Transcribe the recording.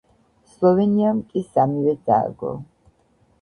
სლოვენიამ კი სამივე წააგო.